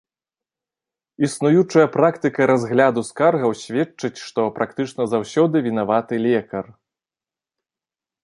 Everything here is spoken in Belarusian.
Існуючая практыка разгляду скаргаў сведчыць, што практычна заўсёды вінаваты лекар.